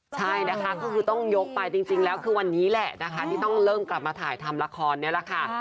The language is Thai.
ใช่นะคะก็คือต้องยกไปจริงแล้วคือวันนี้แหละนะคะที่ต้องเริ่มกลับมาถ่ายทำละครนี่แหละค่ะ